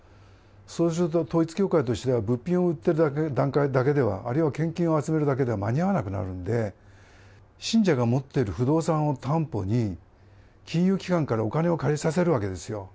そうすると統一教会としては物品を売ってるだけでは、あるいは献金を集めるだけでは間に合わなくなるんで、信者が持ってる不動産を担保に、金融機関からお金を借りさせるわけですよ。